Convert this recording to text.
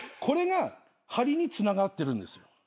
これが張りにつながってるんですよ。